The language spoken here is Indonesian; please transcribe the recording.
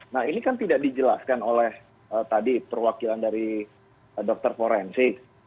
nah ini kan tidak dijelaskan oleh tadi perwakilan dari dokter forensik